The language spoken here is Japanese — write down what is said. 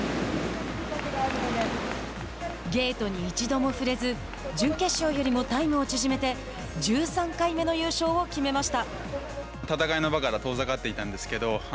ゲートに一度も触れず準決勝よりもタイムを縮めて１３回目の優勝を決めました。